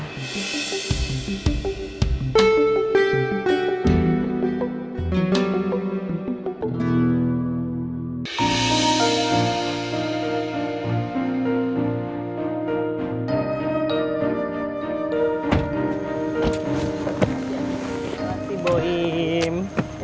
terima kasih ibu im